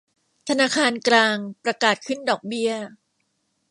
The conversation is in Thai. ธนาคารกลางประกาศขึ้นดอกเบี้ย